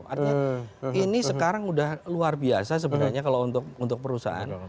artinya ini sekarang sudah luar biasa sebenarnya kalau untuk perusahaan